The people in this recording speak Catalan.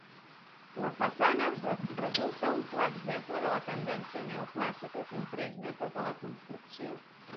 La façana resulta un clar exemple de la tendència neoclàssica que impregna tota la construcció.